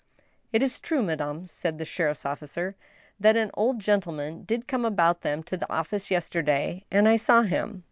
"It is true, madame," said the sheriff's officer, "that an old gentleman did come about them to the office yesterday, and I saw him.